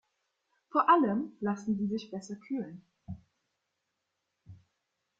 Vor allem lassen sie sich besser kühlen.